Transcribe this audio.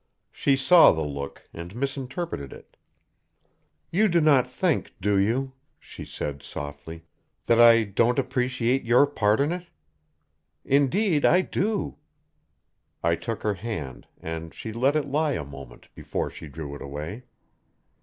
She saw the look, and misinterpreted it. "You do not think, do you," she said softly, "that I don't appreciate your part in it? Indeed I do." I took her hand, and she let it lie a moment before she drew it away.